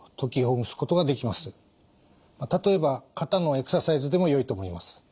例えば肩のエクササイズでもよいと思います。